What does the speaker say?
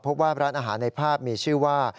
พบว่าร้านอาหารในภาพมีชื่อว่า